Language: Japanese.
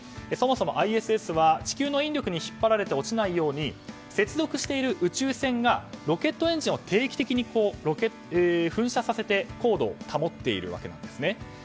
そもそもＩＳＳは地球の引力に引っ張られて落ちないように接続している宇宙船がロケットエンジンを定期的に噴射させて高度を保っているわけなんです。